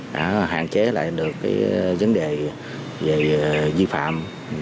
đã hạn chế lại được vấn đề về di phạm